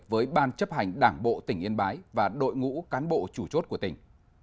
với ban chấp hành đảng bộ tỉnh yên bái và đội ngũ cán bộ chủ chốt của tỉnh